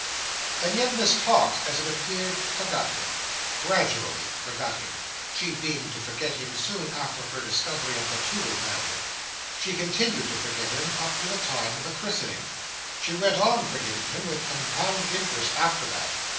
And yet, Miss Tox, as it appeared, forgot him—gradually forgot him. She began to forget him soon after her discovery of the Toodle family. She continued to forget him up to the time of the christening. She went on forgetting him with compound interest after that.